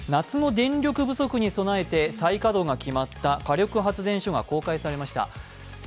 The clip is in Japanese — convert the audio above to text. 夏の電力不足に供えて再稼働が決まった火力発電所が公開されました。